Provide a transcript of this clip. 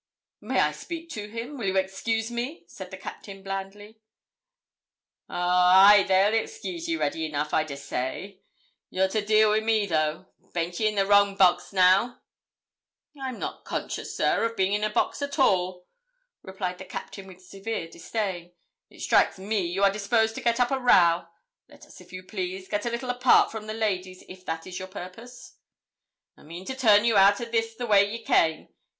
'May I speak to him? Will you excuse me?' said the Captain blandly. 'Ow ay, they'll excuse ye ready enough, I dessay; you're to deal wi' me though. Baint ye in the wrong box now?' 'I'm not conscious, sir, of being in a box at all,' replied the Captain, with severe disdain. 'It strikes me you are disposed to get up a row. Let us, if you please, get a little apart from the ladies if that is your purpose.' 'I mean to turn you out o' this the way ye came.